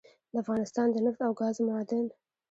دافغانستان دنفت او ګازو معادن